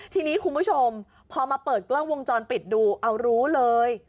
ทีนี้คุณผู้ชมพอมาเปิดกล้องวงจรปิดดูเอารู้เลย